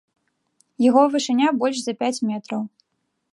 Яго вышыня больш за пяць метраў.